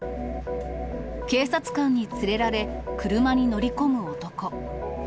警察官に連れられ、車に乗り込む男。